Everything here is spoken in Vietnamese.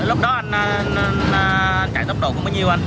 lúc đó anh chạy tốc độ cũng bao nhiêu anh